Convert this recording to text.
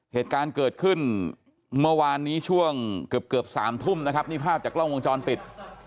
เหตุการณ์เกิดขึ้นเมื่อวานนี้ช่วงเกือบเกือบ๓ทุ่มนะครับนี่ภาพจากกล้องวงจรปิด